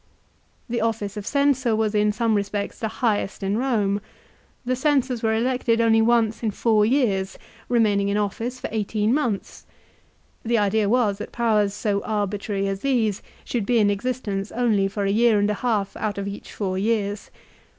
The office of Censor was in some respects the highest in Eome. The Censors were elected only once in four years, remaining in office for eighteen months. The idea was that powers so arbitrary as these should be in existence only for a year and a half out of each four years.